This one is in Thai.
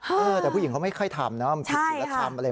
เออแต่ผู้หญิงเขาไม่ค่อยทำนะมันผิดศิลธรรมอะไร